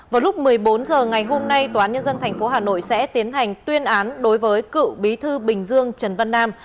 vào lúc một mươi bốn h ngày hôm nay tnth hà nội sẽ tiến hành tuyên án đối với cựu bí thư bình dương trần văn nam